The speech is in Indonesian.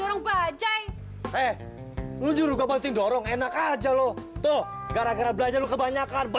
sampai jumpa di video selanjutnya